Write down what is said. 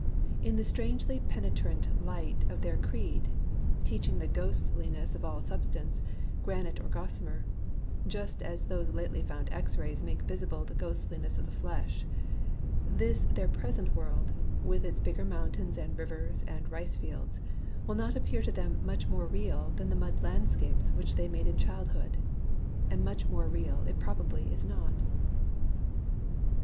In the strangely penetrant light of their creed, teach ing the ghostliness of all substance, granite or gossamer, — just as those lately found X rays make visible the ghostliness of flesh, — this their present world, with its bigger mountains and rivers and rice fields, will not appear to them much more real than the mud landscapes which they made in childhood. And much more real it probably is not.